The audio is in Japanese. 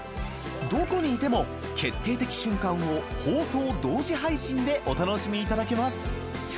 どこにいても決定的瞬間を放送同時配信でお楽しみいただけます。